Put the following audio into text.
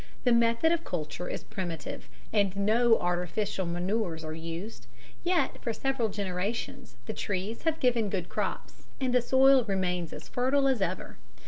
The method of culture is primitive, and no artificial manures are used, yet for several generations the trees have given good crops and the soil remains as fertile as ever.